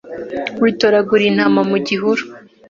witoraguriye intama mu gihuru,